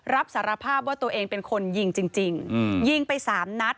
รับสารภาพว่าตัวเองเป็นคนยิงจริงยิงไปสามนัด